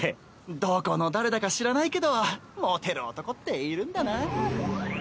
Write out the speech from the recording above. どこの誰だか知らないけどモテる男っているんだなぁ。